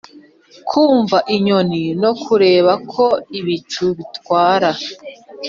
kumva inyoni no kureba uko ibicu bitwara.